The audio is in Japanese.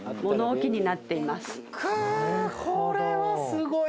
くっこれはすごい！